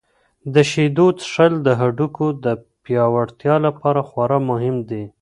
د شیدو څښل د هډوکو د پیاوړتیا لپاره خورا مهم دي.